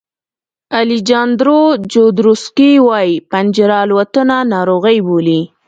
الیجاندرو جودروسکي وایي پنجره الوتنه ناروغي بولي.